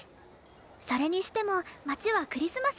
それにしても街はクリスマス一色ですね。